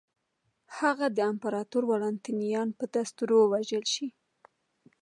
هغه د امپراتور والنټینیان په دستور ووژل شي.